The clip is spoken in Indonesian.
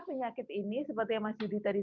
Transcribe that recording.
penyakit ini seperti yang mas yudi tadi